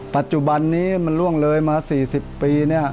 ปัจจุบันนี้มันล่วงเลยมา๔๐ปี